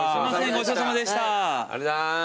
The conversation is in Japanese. ごちそうさまでした。